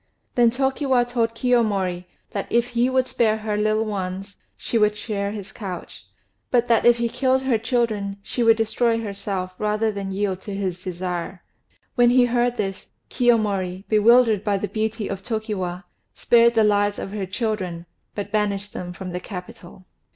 Then Tokiwa told Kiyomori that if he would spare her little ones she would share his couch; but that if he killed her children she would destroy herself rather than yield to his desire. When he heard this, Kiyomori, bewildered by the beauty of Tokiwa, spared the lives of her children, but banished them from the capital.